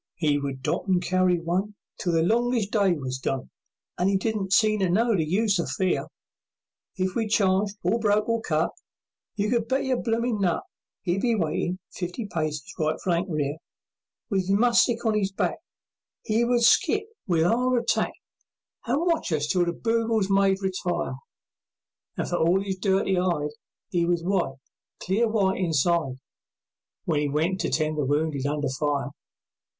'E would dot and carry one Till the longest day was done, And 'e didn't seem to know the use of fear; If we charged or broke or cut, You could bet your bloomin' nut 'E'd be waitin' fifty paces right flank rear. 'E would skip to our attack, With 'is mussick on 'is back, And watch us till the bugles made "Retire", And for all 'is dirty hide, 'E was white, clear white, inside When 'e went to tend the wounded under fire!